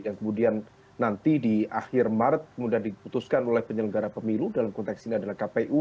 yang kemudian nanti di akhir maret kemudian diputuskan oleh penyelenggara pemilu dalam konteks ini adalah kpu